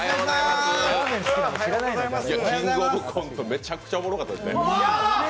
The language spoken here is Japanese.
めちゃくちゃおもろかったですね。